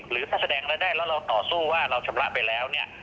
หรือถ้าแสดงรายได้แล้วเราต่อสู้ว่าเราชำระไปแล้วเนี่ย